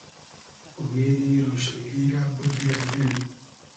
اومیدی رۉشنیگی رۂ بوردی از دیل